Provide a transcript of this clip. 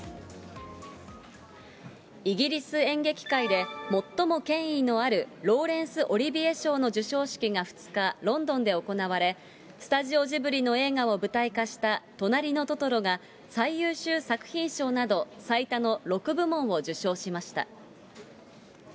イギリス演劇界で、最も権威のあるローレンス・オリビエ賞の授賞式が２日、ロンドンで行われ、スタジオジブリの映画を舞台化した、となりのトトロが最優秀作品賞など、最多の６部門を受賞しました。